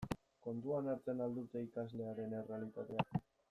Kontuan hartzen al dute ikaslearen errealitatea?